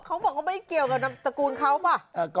เขาบอกว่าไม่เกี่ยวกับตระกูลเขามั้ย